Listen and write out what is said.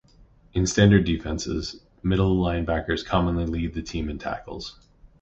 In standard defenses, middle linebackers commonly lead the team in tackles.